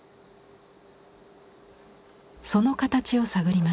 その形を探ります。